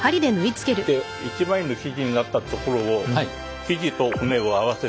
で一枚の生地になったところを生地と骨を合わせて。